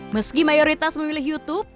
meski mayoritas memilih youtube